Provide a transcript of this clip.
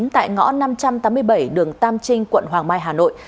tại ngõ năm trăm tám mươi bảy đường tam trinh quận hoàng mai hà nội